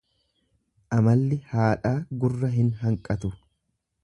Amalli haadhaa intala hin hanqatu.